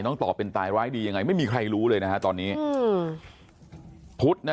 ต่อเป็นตายร้ายดียังไงไม่มีใครรู้เลยนะฮะตอนนี้อืมพุธนะ